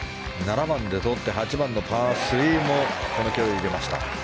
７番でとって、８番のパー３もこの距離を入れました。